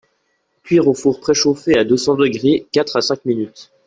Cuire au four préchauffé à deux-cents degrés, quatre à cinq minutes.